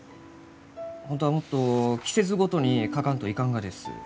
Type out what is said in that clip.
本当はもっと季節ごとに描かんといかんがです。